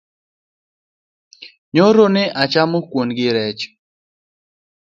Nyoro ne achamo rech gi kuwon